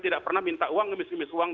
tidak pernah minta uang ngemis ngemis uang